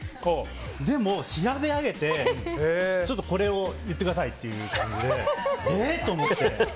でも、調べ上げてちょっとこれを言ってくださいという感じでえっ？と思って。